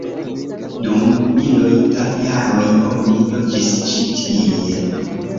Dum miloj da jaroj oni loĝis ĉi tie.